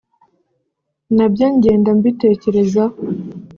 nabyo ngenda mbitekerezaho